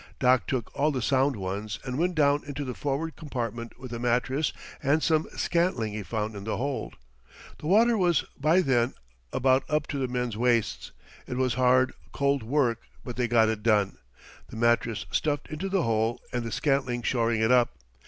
Doc took all the sound ones and went down into the forward compartment with a mattress and some scantling he found in the hold. The water was by then about up to the men's waists. It was hard, cold work, but they got it done the mattress stuffed into the hole and the scantling shoring it up.